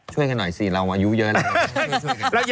ช่วยกันหน่อยสิเราอายุเยอะแล้ว